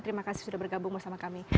terima kasih sudah bergabung bersama kami